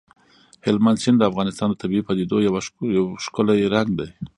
هلمند سیند د افغانستان د طبیعي پدیدو یو ښکلی رنګ دی.